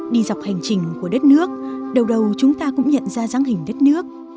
đi dọc hành trình của đất nước đầu đầu chúng ta cũng nhận ra giáng hình đất nước